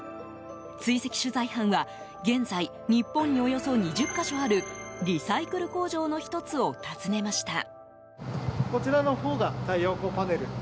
追跡取材班は現在、日本におよそ２０か所あるリサイクル工場の１つを訪ねました。